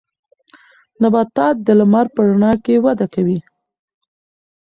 نباتات د لمر په رڼا کې وده کوي.